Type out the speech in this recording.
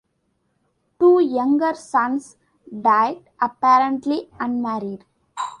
Two younger sons died apparently unmarried.